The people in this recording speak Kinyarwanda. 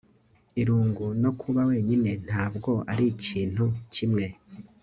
irungu no kuba wenyine ntabwo arikintu kimwe